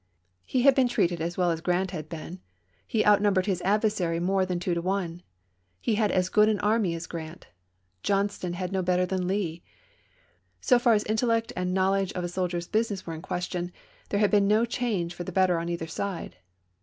He had been treated as well as Grant had been; he outnumbered his adversary more than two to one. He had as good an army as Grant ; Johnston had no better than Lee. So far as intel lect and knowledge of a soldier's business were THE WTLDEKNESS 357 in question, there had been no change for the bet chap.xiv. ter on either side.